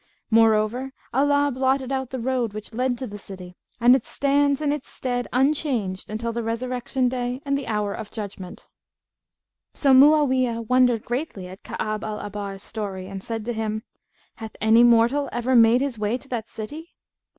[FN#171] Moreover, Allah blotted out the road which led to the city, and it stands in its stead unchanged until the Resurrection Day and the Hour of Judgement." So Mu'awiyah wondered greatly at Ka'ab al Ahbar's story and said to him, "Hath any mortal ever made his way to that city?"